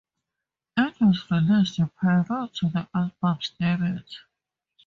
It was released prior to the album's debut.